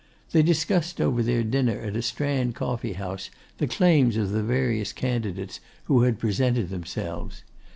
They discussed over their dinner at a Strand coffee house the claims of the various candidates who had presented themselves.